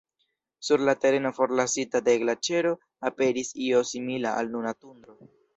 Sur la tereno forlasita de glaĉero aperis io simila al nuna tundro.